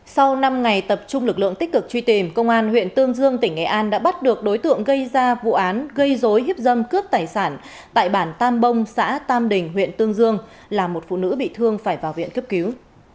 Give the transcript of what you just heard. sau năm ngày tập trung lực lượng tích cực truy tìm công an huyện tương dương tỉnh nghệ an đã bắt được đối tượng gây ra vụ án gây dối cướp tài sản tại bản tam bông xã tam đình huyện tương dương là một phụ nữ bị thương phải vào viện cấp cứu